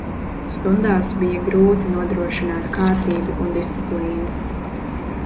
Stundās bija grūti nodrošināt kārtību un disciplīnu.